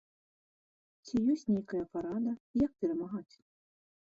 Ці ёсць нейкая парада, як перамагаць?